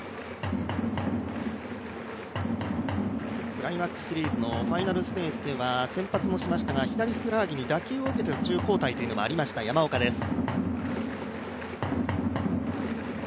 クライマックスシリーズのファイナルステージでは先発もしましたが左ふくらはぎに打球を受けての途中交代がありました、山岡です。